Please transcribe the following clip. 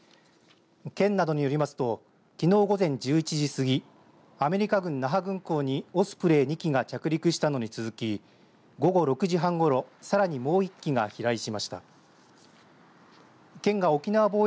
県などによりますときのう午前１１時過ぎアメリカ軍那覇軍港にオスプレイ２機が着陸したのに続き午後６時半ごろさらにもう一機が飛来しました。